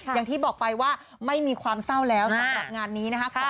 อย่างที่บอกไปว่าไม่มีความเศร้าแล้วสำหรับงานนี้นะครับ